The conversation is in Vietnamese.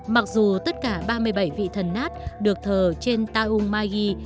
mặc dù tất cả ba mươi bảy vị thần nát được thờ trên tau magi